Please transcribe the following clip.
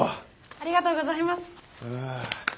ありがとうございます。